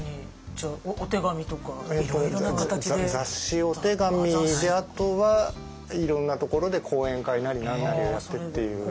雑誌お手紙であとはいろんなところで講演会なり何なりをやってっていう。